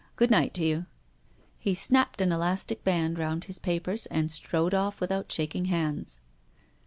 Good night to you." He snapped an elastic band round his papers and strode off without shaking hands.